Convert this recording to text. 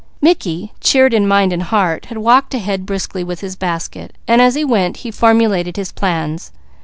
Mickey, cheered in mind and heart, had walked ahead briskly with his basket, while as he went he formulated his plans.